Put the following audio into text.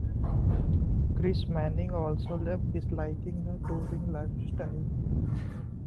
Chris Manning also left, disliking the touring lifestyle.